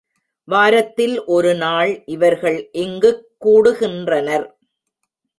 வாரத்தில் ஒரு நாள் இவர்கள் இங்குக் கூடுகின்றனர்.